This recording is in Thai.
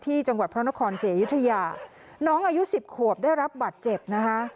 จังหวัดพระนครศรีอยุธยาน้องอายุ๑๐ขวบได้รับบัตรเจ็บนะคะ